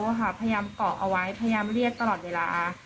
พยายามเกาะเอาไว้พยายามเรียกตลอดเวลา